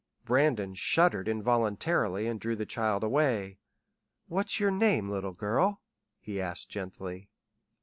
Brandon shuddered involuntarily and drew the child away. "What's your name, little girl?" he asked gently.